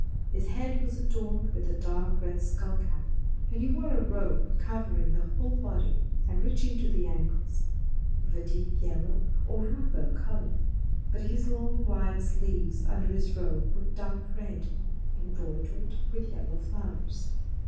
His head was adorned with a dark red skull cap, and he wore a robe covering the whole body and reaching to the ankles, of a deep yellow or rhubarb color; but his long wide sleeves under his robe were dark red, embroidered with yellow flowers.